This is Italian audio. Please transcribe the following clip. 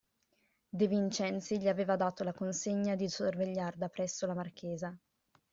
De Vincenzi gli aveva dato la consegna di sorvegliar da presso la marchesa.